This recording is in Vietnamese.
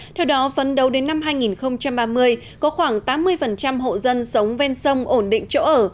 theo đó phấn đấu đến năm hai nghìn ba mươi có khoảng tám mươi hộ dân sống ven sông ổn định chỗ ở